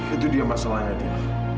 itu dia masalahnya adil